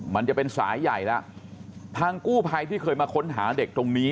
มันจะเป็นสายใหญ่แล้วทางกู้ภัยที่เคยมาค้นหาเด็กตรงนี้